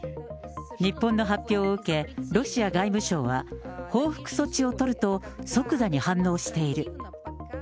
日本の発表を受け、ロシア外務省は、報復措置を取ると、即座に反応している。